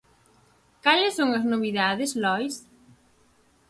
Cales son as novidades, Lois?